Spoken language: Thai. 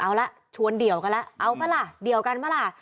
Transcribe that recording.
เอาละชวนเดี่ยวกันแล้วเอาป่ะล่ะเดี่ยวกันป่ะล่ะ